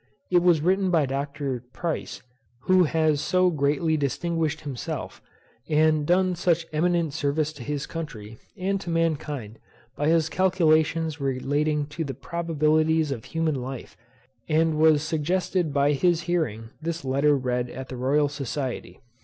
It was written by Dr. Price, who has so greatly distinguished himself, and done such eminent service to his country, and to mankind, by his calculations relating to the probabilities of human life, and was suggested by his hearing this letter read at the Royal Society.